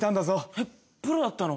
えっプロだったの？